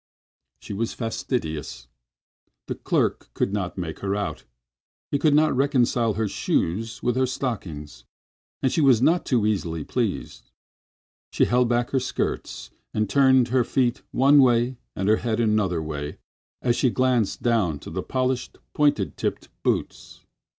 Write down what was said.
She was fastidious. The clerk could not make her out; he could not reconcile her shoes with her stockings, and she was not too easily pleased. She held back her skirts and turned her feet one way and her head another way as she glanced down at the polished, pointed tipped boots.